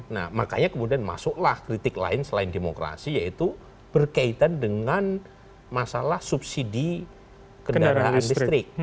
nah makanya kemudian masuklah kritik lain selain demokrasi yaitu berkaitan dengan masalah subsidi kendaraan listrik